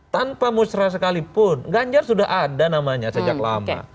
tanpa musrah sekalipun ganjar sudah ada namanya sejak lama